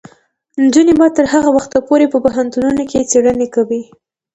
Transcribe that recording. نجونې به تر هغه وخته پورې په پوهنتونونو کې څیړنې کوي.